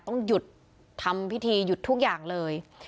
ต้องหยุดทำพิธีหยุดทุกอย่างเลย